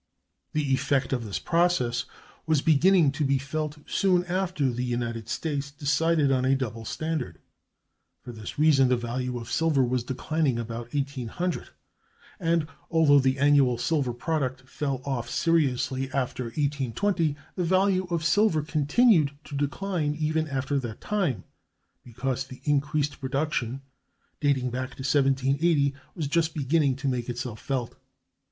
The effect of this process was beginning to be felt soon after the United States decided on a double standard. For this reason the value of silver was declining about 1800, and, although the annual silver product fell off seriously after 1820, the value of silver continued to decline even after that time, because the increased production, dating back to 1780, was just beginning to make itself felt.